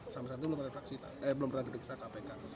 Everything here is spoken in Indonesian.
sama sama itu belum pernah diperiksa kpk